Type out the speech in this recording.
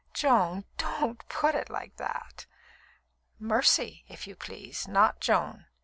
"Joan! Don't put it like that!" "'Mercy,' if you please, not Joan.